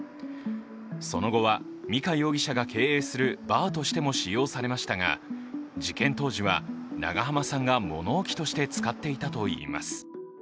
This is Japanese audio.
その後は、美香容疑者が経営するバーとしても使用されましたが、事件当時は、長濱さんが物置として使っていたといいます。